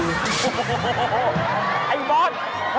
โอ้โฮไอ้โบน